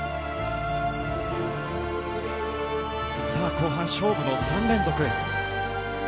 後半、勝負の３連続。